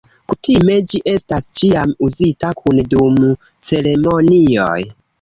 Kutime, ĝi estas ĉiam uzita kune dum ceremonioj.